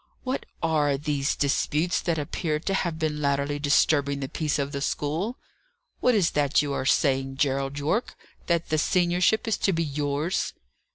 "What are these disputes that appear to have been latterly disturbing the peace of the school? What is that you are saying, Gerald Yorke? that the seniorship is to be yours?"